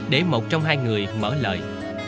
để một trong hai người mở lời